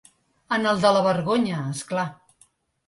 En el de la vergonya, és clar.